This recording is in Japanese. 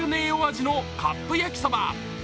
味のカップ焼きそば。